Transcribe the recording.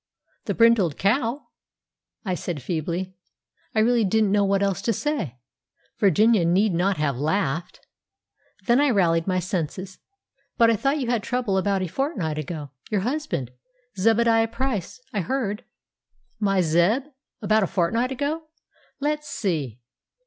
"The brindled cow?" I said feebly. I really didn't know what else to say. Virginia need not have laughed! Then I rallied my senses. "But I thought you had trouble about a fortnight ago—your husband, Zebadiah Price—I heard——" "My Zeb? About a fortnight ago? Let's see?"